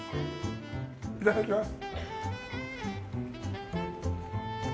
いただきます。